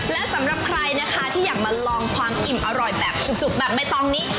และสำหรับใครนะคะที่อยากมาลองความอิ่มอร่อยแบบจุกแบบใบตองนี้